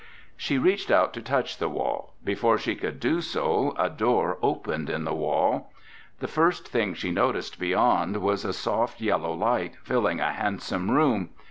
She reached out to touch the wall. Before she could do so, a door opened in the wall. The first thing she noticed beyond was a soft yellow light filling a handsome room.